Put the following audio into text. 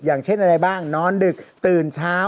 อย่างเช่นอะไรบ้างนอนดึกตื่นเช้า